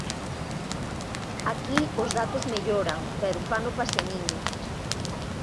Aquí os datos melloran, pero fano paseniño.